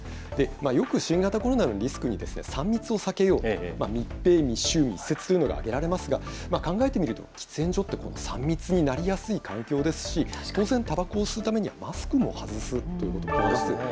よく新型コロナのリスクに、３密を避けよう、密閉、密集、密接というのが挙げられますが、考えてみると、喫煙所って３密になりやすい環境ですし、当然、たばこを吸うためにはマスクも外すということがありますよね。